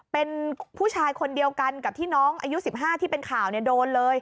เป็นผู้ชายคนเดียวกันกับที่น้องอายุ๑๕ที่เป็นข่าวโดนเลย